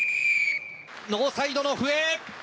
ノーサイドの笛！